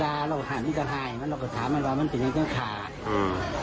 เราดาเราหันกระทายเราก็ถามมันว่ามันสิ่งที่ต้องขาด